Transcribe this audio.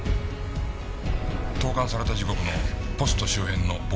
投函された時刻のポスト周辺の防犯カメラは？